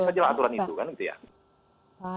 kita ikuti saja aturan itu kan gitu ya